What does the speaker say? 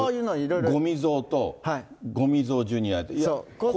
ごみ増と、ごみ増ジュニアで。